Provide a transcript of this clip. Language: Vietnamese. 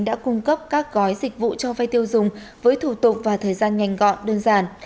đã cung cấp các gói dịch vụ cho vay tiêu dùng với thủ tục và thời gian nhanh gọn đơn giản